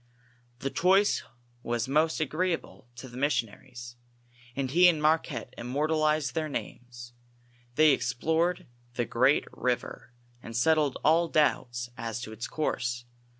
This choice was most agreeable to the missionaries, and he and Marquette immortalized their names. They explored the great river, and settled all doubts §is to its course.